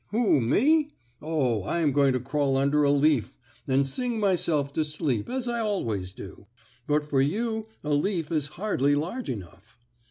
"Who, me? Oh, I am going to crawl under a leaf and sing myself to sleep as I always do; but for you, a leaf is hardly large enough."